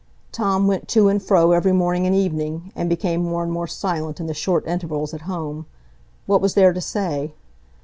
Tom went to and fro every morning and evening, and became more and more silent in the short intervals at home; what was there to say?